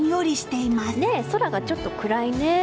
空がちょっと暗いね。